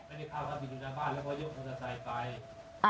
ไม่ได้ข่าวครับอยู่หน้าบ้านแล้วก็ยกมอเตอร์ไซค์ไป